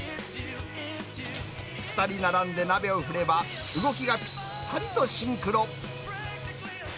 ２人並んで鍋を振れば、動きがぴったりとシンクロ。